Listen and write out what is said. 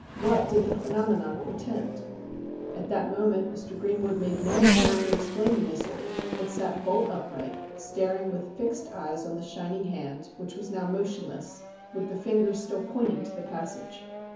What did the phenomenon portend ? At that moment Mr. Greenwood made no attempt to explain the mystery, but sat bolt upright, staring with fixed eyes on the shining hand, which was now motionless, with the finger still pointing to the passage.